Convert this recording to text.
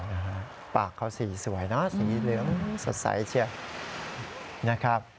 เออปากเขาสีสวยนะสีเหลืองสดใสเชียว